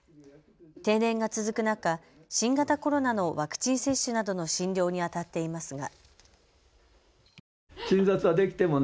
停電が続く中、新型コロナのワクチン接種などの診療にあたっていますが。